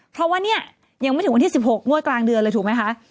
เพราะว่าเนี่ยยังไม่ถึงวันที่๑๖งวดกลางเดือนเลยถูกไหมคะ